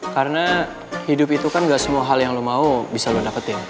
karena hidup itu kan gak semua hal yang lo mau bisa lo dapetin